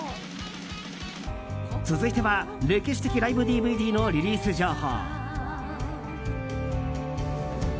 続いては、歴史的ライブＤＶＤのリリース情報。